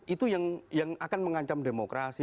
itu yang akan mengancam demokrasi